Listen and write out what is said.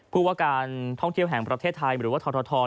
ผู้ว่าการท่องเที่ยวแห่งประเทศไทยหรือว่าทรท